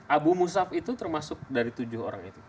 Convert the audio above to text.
abu musaf itu termasuk dari tujuh orang itu